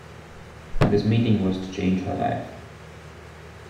This meeting was to change her life.